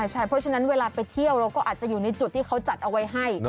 ใช่เพราะฉะนั้นเวลาไปเที่ยวเราก็อาจจะอยู่ในจุดที่เขาจัดเอาไว้ให้